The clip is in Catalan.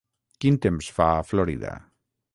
Quin temps fa a Florida?